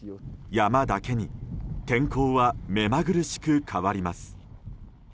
山だけに天候はめまぐるしく変わります。